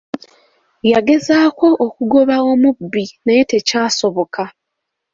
Yagezaako okugoba omubbi naye tekyasoboka.